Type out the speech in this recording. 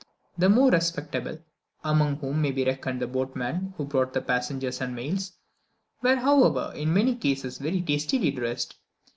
The more respectable among whom may be reckoned the boatmen who brought the passengers and mails were, however, in many cases, very tastily dressed.